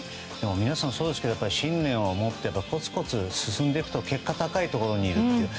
皆さんそうですけど信念を持って、こつこつと進んでいくと結果、高いところにいるという。